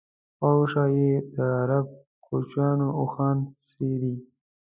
شاوخوا یې د عرب کوچیانو اوښان څري.